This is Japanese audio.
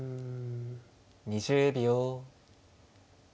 ２０秒。